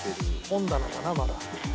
本棚だなまだ。